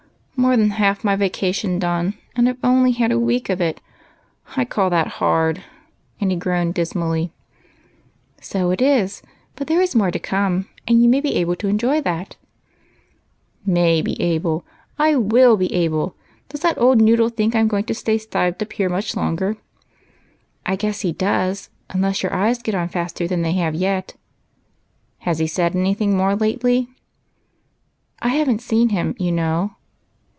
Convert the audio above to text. " More than half my vacation gone, and I 've only had a week of it ! I call that hard," and he groaned dismally. " So it is ; but there is more to come, and you may be able to enjoy that." " Maij be able ! I will be able ! Does that old noodle think I 'm going to stay stived up here much longer ?"" I guess he does, unless your eyes get on faster than they have yet" 6 122 EIGHT COUSINS. " Has he said any thing more lately ?" "I have n't seen him, you know.